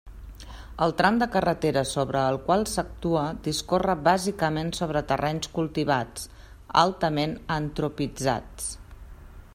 El tram de carretera sobre el qual s'actua discorre bàsicament sobre terrenys cultivats, altament antropitzats.